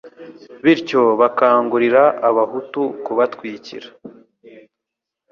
bityo bakangurira Abahutu kubatwikira